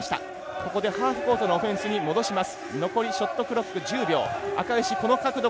ここでハーフコートのオフェンスに戻します。